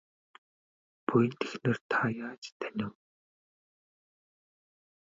Буянт эхнэр та яаж танив?